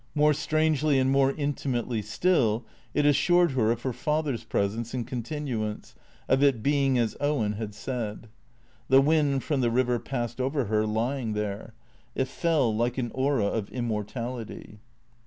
More strangely and more intimately still, it assured her of her father's presence and con tinuance, of it being as Owen had said. The wind from the river passed over her, lying there. It fell like an aura of im mortality.